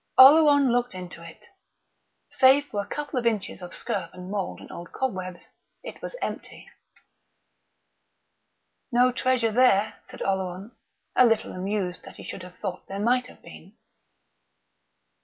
Oleron looked into it. Save for a couple of inches of scurf and mould and old cobwebs it was empty. "No treasure there," said Oleron, a little amused that he should have fancied there might have been.